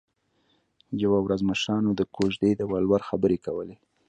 یوه ورځ مشرانو د کوژدې د ولور خبرې کولې